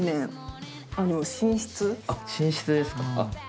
あっ寝室ですか？